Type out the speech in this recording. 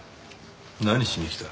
何しに来た？